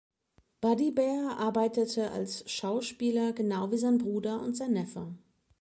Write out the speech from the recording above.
Buddy Baer arbeitete als Schauspieler, genau wie sein Bruder und sein Neffe.